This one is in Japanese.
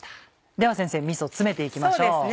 では先生みそを詰めて行きましょう。